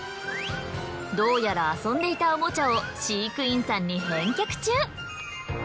どうやら遊んでいたおもちゃを飼育員さんに返却中。